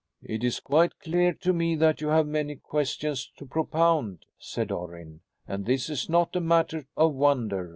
"It is quite clear to me that you have many questions to propound," said Orrin, "and this is not a matter of wonder.